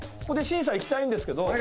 ここで審査行きたいんですけど。